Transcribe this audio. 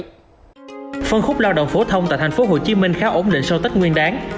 trong lúc lao động phổ thông tại tp hcm khá ổn định sau tết nguyên đáng